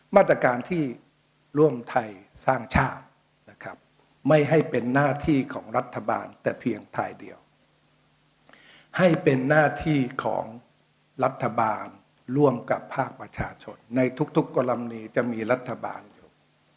มาตรการที่ร่วมไทยสร้างชาตินะครับไม่ให้เป็นหน้าที่ของรัฐบาลแต่เพียงภายเดียวให้เป็นหน้าที่ของรัฐบาลร่วมกับภาคประชาชนในทุกกรณีจะมีรัฐบาลอยู่